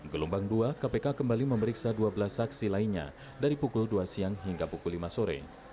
gelombang dua kpk kembali memeriksa dua belas saksi lainnya dari pukul dua siang hingga pukul lima sore